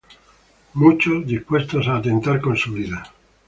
Muchos, dispuestos a atentar con su vida.